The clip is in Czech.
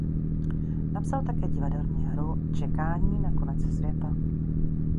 Napsal také divadelní hru "Čekání na konec světa".